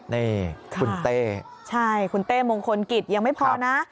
นี่คุณเต้ใช่คุณเต้มงคลกิจยังไม่พอนะ